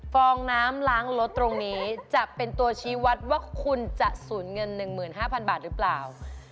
ฟองน้ำล้างรถตรงนี้จะเป็นตัวชี้วัดว่าคุณจะสูญเงิน๑๕๐๐บาทหรือเปล่า